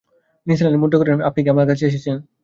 নিসার আলি মুদ্রা করেন, আপনি কি আমার কাছে এসেছেন?